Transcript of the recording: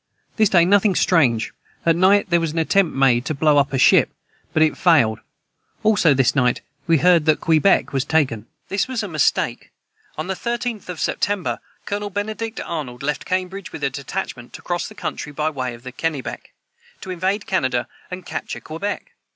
This day nothing strange at night their was an atempt made to blow up A Ship but it failed also this night we heard that Quebeck was taken. [Footnote 195: This was a mistake. On the 13th of September, Colonel Benedict Arnold left Cambridge with a detachment to cross the country by the way of the Kennebec, to invade Canada and capture Quebec.